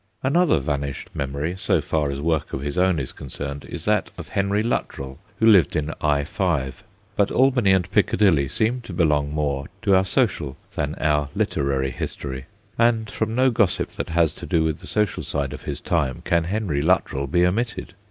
Another vanished memory, so far as work of his own is concerned, is that of Henry Luttrell, who lived in 1.5. But Albany and Piccadilly seem to belong more to our social than our literary history, and from no gossip that has to do with the social life of his time can Henry Luttrell be omitted.